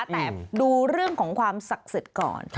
แต่ดูเรื่องของความศักดิ์สิทธิ์ก่อน